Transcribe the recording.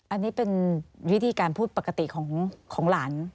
อันนี้เป็นวิธีการพูดปกติของหลาน